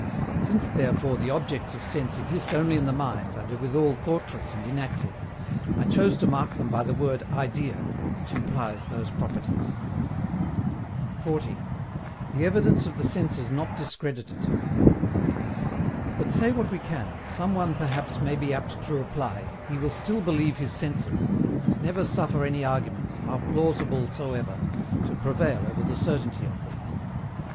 Since therefore the objects of sense exist only in the mind, and are withal thoughtless and inactive, I chose to mark them by the word IDEA, which implies those properties. 40. THE EVIDENCE OF THE SENSES NOT DISCREDITED. But, say what we can, some one perhaps may be apt to reply, he will still believe his senses, and never suffer any arguments, how plausible soever, to prevail over the certainty of them.